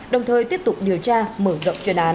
đồng thời tiếp tục điều tra mở rộng chuyên án